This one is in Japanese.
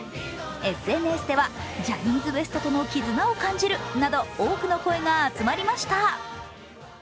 ＳＮＳではジャニーズＷＥＳＴとの絆を感じるなど多くの声が集まりました。